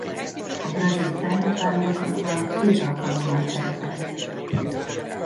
A brazil felnőtt válogatottban két alkalommal szerepelt.